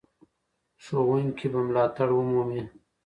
ښوونکي به ملاتړ ومومي.